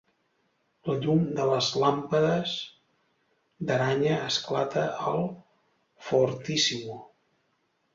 La llum de les làmpades d'aranya esclata al fortissimo.